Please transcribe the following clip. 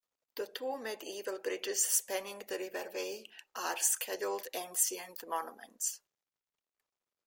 The two medieval bridges spanning the River Wey are Scheduled Ancient Monuments.